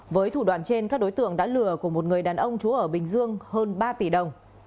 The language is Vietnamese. với thủ đoạn trên các đối tượng đã lừa của một người đàn ông chú ở bình dương hơn ba tỷ đồng